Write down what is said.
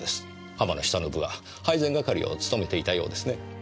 浜野久信は配膳係を務めていたようですね。